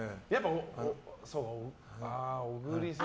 小栗さん。